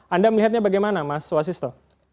anda melihatnya bagaimana mas wasisto